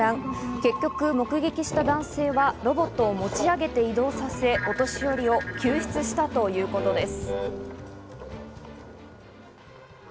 結局、目撃した男性はロボットを持ち上げて移動させ、お年寄りを救出したということです。